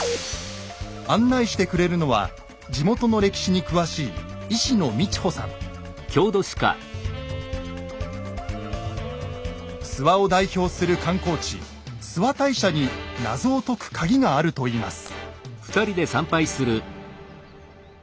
案内してくれるのは地元の歴史に詳しい諏訪を代表する観光地諏訪大社に謎を解く鍵があるといいます。